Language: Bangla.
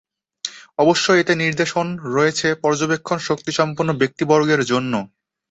অবশ্যই এতে নিদর্শন রয়েছে পর্যবেক্ষণ শক্তিসম্পন্ন ব্যক্তিবর্গের জন্যে।